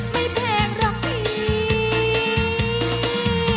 ไม่แพงหรอกนี่